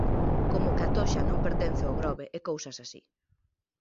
Como que A Toxa non pertence ao Grove, e cousas así.